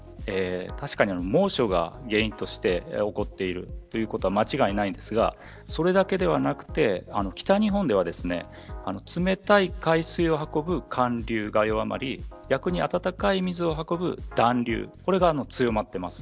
確かに猛暑が原因として起こっているということは間違いないですがそれだけではなくて北日本では冷たい海水を運ぶ寒流が弱まり暖かい水を運ぶ暖流これが強まっています。